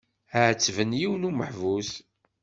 Ɛettben yiwen umeḥbus.